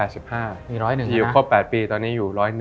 อยู่๑๐๑นะนะที่ยืมครบ๘ปีตอนนี้อยู่๑๐๑